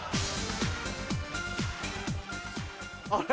あれ？